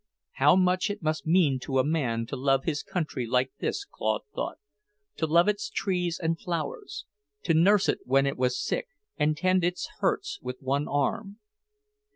How much it must mean to a man to love his country like this, Claude thought; to love its trees and flowers; to nurse it when it was sick, and tend its hurts with one arm.